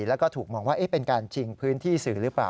แล้วก็ถูกมองว่าเป็นการชิงพื้นที่สื่อหรือเปล่า